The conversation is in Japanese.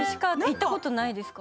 行ったことないですか？